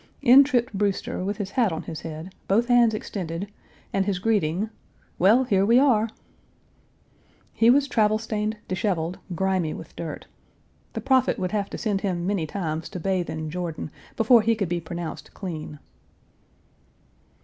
In tripped Brewster, with his hat on his head, both hands extended, and his greeting, "Well, here we are!" He was travel stained, disheveled, grimy with dirt. The prophet would have to send him many times to bathe in Jordan before he could be pronounced clean.